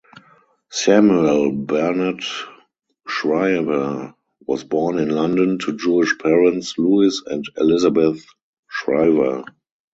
Samuel Barnett Schryver was born in London to Jewish parents Lewis and Elisabeth Schryver.